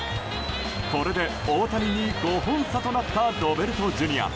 これで大谷に５本差となったロベルトＪｒ．。